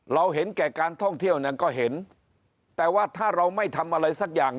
เห็นแก่การท่องเที่ยวเนี่ยก็เห็นแต่ว่าถ้าเราไม่ทำอะไรสักอย่าง